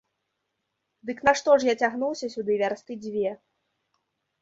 Дык нашто ж я цягнуўся сюды вярсты дзве?